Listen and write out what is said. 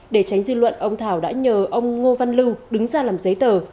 để tránh dư luận ông thảo đã nhờ ông ngô văn lưu đứng ra làm giấy tờ